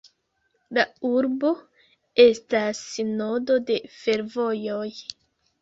La urbo estas nodo de fervojoj.